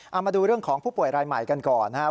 เอามาดูเรื่องของผู้ป่วยรายใหม่กันก่อนนะครับ